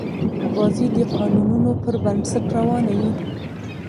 بازي د قانونونو پر بنسټ روانه يي.